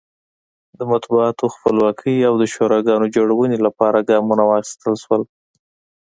د مطبوعاتو خپلواکۍ او د شوراګانو جوړونې لپاره ګامونه واخیستل شول.